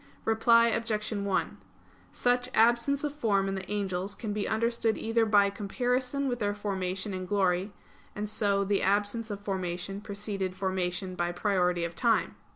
Reply Obj. 1: Such absence of form in the angels can be understood either by comparison with their formation in glory; and so the absence of formation preceded formation by priority of time.